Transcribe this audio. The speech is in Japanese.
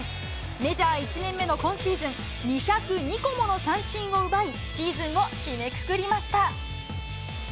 メジャー１年目の今シーズン、２０２個もの三振を奪い、シーズンを締めくくりました。